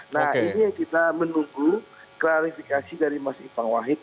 nah ini kita menunggu klarifikasi dari mas ibang wahid